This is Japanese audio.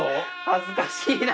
恥ずかしいな。